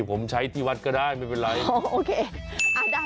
ผมใช้ที่วัดก็ได้ไม่เป็นไร